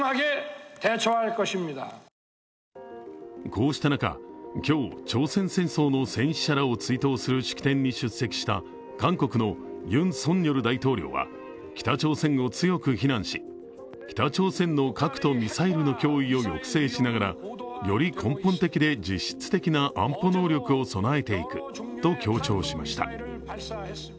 こうした中、今日、朝鮮戦争の戦死者らを追悼する式典に出席した韓国のユン・ソンニョル大統領は北朝鮮を強く非難し北朝鮮の核とミサイルの脅威を抑制しながら、より根本的で実質的な安保能力を備えていくと強調しました。